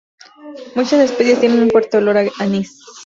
Muchas especies tienen un fuerte olor a anís.